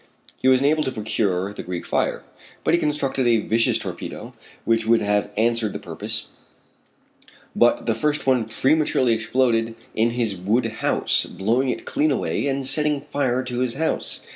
He was unable to procure the Greek fire, but he constructed a vicious torpedo which would have answered the purpose, but the first one prematurely exploded in his wood house, blowing it clean away, and setting fire to his house.